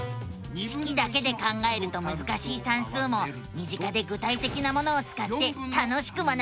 式だけで考えるとむずかしい算数も身近で具体的なものをつかって楽しく学べるのさ！